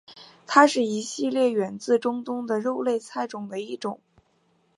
它是一系列源自中东的肉类菜中的一种。